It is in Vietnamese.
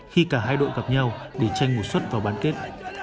khi cả hai đội gặp nhau để tranh mùa xuất vào bán kết